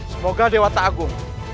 semoga dewa ta'agung